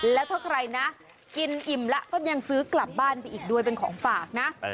แล้วถ้าใครนะกินอิ่มแล้วก็ยังซื้อกลับบ้านไปอีกด้วยเป็นของฝากนะ